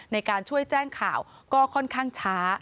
ในการช่วยแจ้งข่าวก็ค่อนข้างช้า